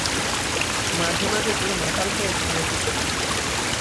মাঝে-মাঝে পুরো মাতাল হয়ে ঘরে ফিরতেন।